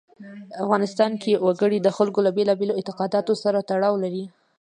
افغانستان کې وګړي د خلکو له بېلابېلو اعتقاداتو سره تړاو لري.